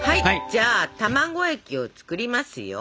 じゃあ卵液を作りますよ。